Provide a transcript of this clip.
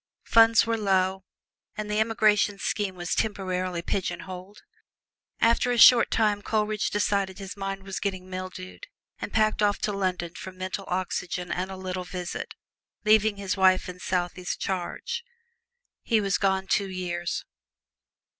Funds were low and the emigration scheme was temporarily pigeonholed. After a short time Coleridge declared his mind was getting mildewed and packed off to London for mental oxygen and a little visit, leaving his wife in Southey's charge. He was gone two years.